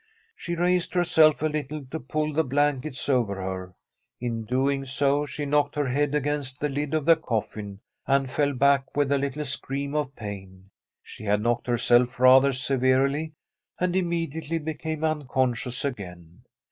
She raised herself a little to pull the blankets over her. In doing so she knocked her head against the Ud of the cofSn, and fell back with a little scream of pain. She had knocked herself rather se verely, and immediately became unconscious again.